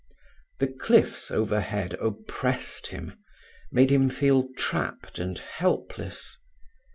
The cliffs overhead oppressed him—made him feel trapped and helpless.